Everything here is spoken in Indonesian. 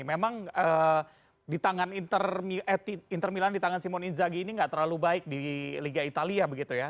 memang di tangan inter milan di tangan simon inzaghi ini nggak terlalu baik di liga italia begitu ya